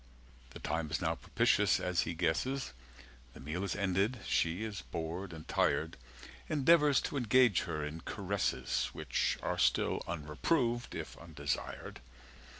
The time is now propitious, as he guesses, The meal is ended, she is bored and tired, Endeavours to engage her in caresses Which still are unreproved, if undesired.